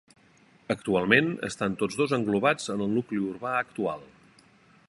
Actualment estan tots dos englobats en el nucli urbà actual.